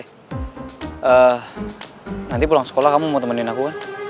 eh nanti pulang sekolah kamu mau temenin aku kan